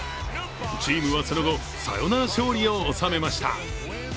チームはその後、サヨナラ勝利を収めました。